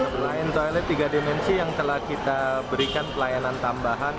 selain toilet tiga dimensi yang telah kita berikan pelayanan tambahan